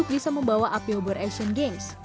bisa membawa api obor asian games